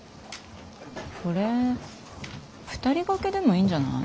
これ２人掛けでもいいんじゃない？